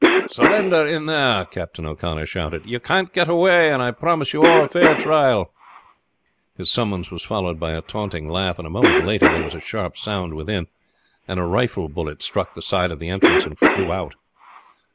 "Surrender in there!" Captain O'Connor shouted. "You can't get away; and I promise you all a fair trial." His summons was followed by a taunting laugh; and a moment later there was a sharp sound within, and a rifle bullet struck the side of the entrance and flew out.